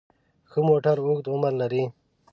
ښه موټر اوږد عمر لري.